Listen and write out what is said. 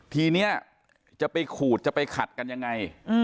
ทีนี้จะไปขูดจะไปขัดกันยังไง